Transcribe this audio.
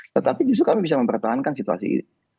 tetapi justru kami bisa mempertahankan situasi ini